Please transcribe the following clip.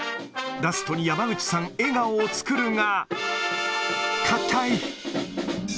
ラストに山口さん、笑顔を作るが。